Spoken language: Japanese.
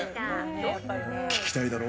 聞きたいだろ？